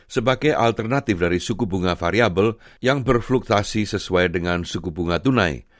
sebagai alternatif dari suku bunga variable yang berfluktasi sesuai dengan suku bunga tunai